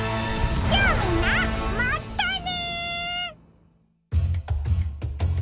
じゃあみんなまったね！